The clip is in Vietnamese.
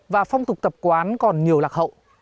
và phong tục tập quán còn nhiều lạc hậu